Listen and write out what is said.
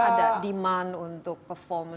ada demand untuk performance